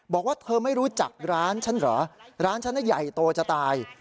บอกว่าเธอไม่รู้จักร้านฉันเหรอร้านฉันใหญ่โตจะตาย